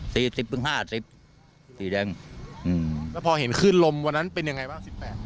สีแดงสีแดงแล้วพอเห็นคลื่นลมวันนั้นเป็นยังไงบ้าง๑๘